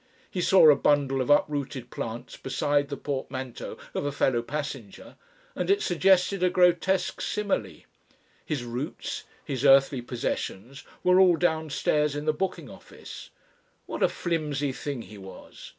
He saw a bundle of uprooted plants beside the portmanteau of a fellow passenger and it suggested a grotesque simile. His roots, his earthly possessions, were all downstairs in the booking office. What a flimsy thing he was!